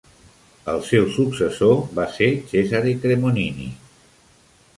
El seu successor va ser Cesare Cremonini.